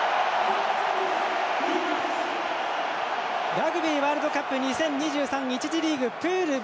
ラグビーワールドカップ２０２３１次リーグプールＢ